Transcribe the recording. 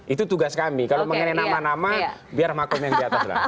itu tugas kami kalau mengenai nama nama biar makom yang di atas lah